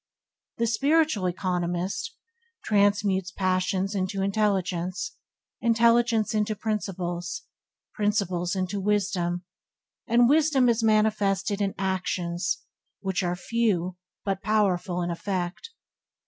The spiritual economist transmutes passions into intelligence, intelligence into principles, principles into wisdom, and wisdom is manifested in actions which are few but of powerful effect.